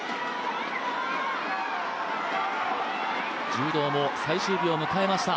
柔道も最終日を迎えました。